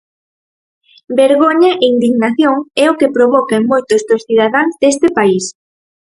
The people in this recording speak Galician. Vergoña e indignación é o que provoca en moitos dos cidadáns deste país.